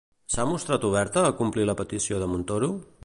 S'ha mostrat oberta a complir la petició de Montoro?